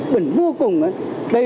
bẩn vô cùng đấy